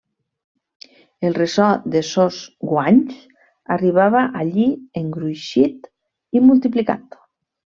El ressò de sos guanys arribava allí engruixit i multiplicat